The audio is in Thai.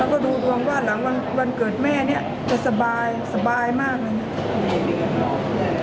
แล้วก็ดูดวงว่าหลังวันเกิดแม่เนี่ยจะสบายสบายมากเลย